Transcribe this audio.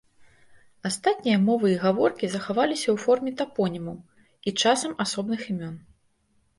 Астатнія мовы і гаворкі захаваліся ў форме тапонімаў і часам асобных імён.